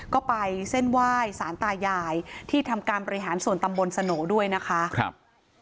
ก็ไปเส้นไหว้สารตายายที่ทำการบริหารส่วนตำบลสโหน่ด้วยนะคะครับ